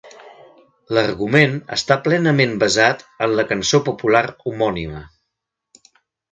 L'argument està plenament basat en la cançó popular homònima.